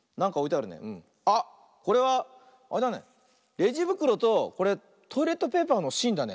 あっこれはあれだねレジぶくろとこれトイレットペーパーのしんだね。